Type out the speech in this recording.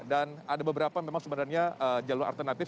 dan ada beberapa memang sebenarnya jalur alternatif